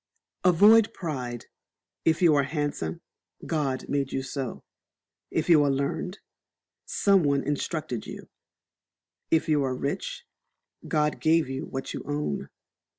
Avoid Pride. If you are handsome, God made you so; if you are learned, some one instructed you; if you are rich, God gave you what you own.